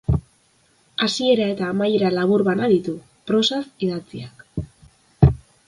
Hasiera eta amaiera labur bana ditu, prosaz idatziak.